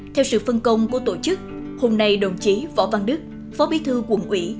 theo sự phân công của tổ chức hôm nay đồng chí võ văn đức phó bí thư quận ủy